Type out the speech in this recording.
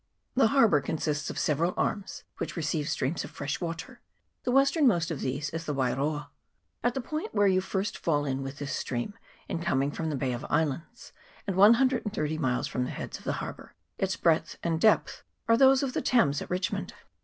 The harbour consists of several arms, which re ceive streams of fresh water; the westernmost of these is the Wairoa. At the point where you first fall in with this stream in coming from the Bay of Islands, and 130 miles from the heads of the harbour, its breadth and depth are those of the Thames at Richmond.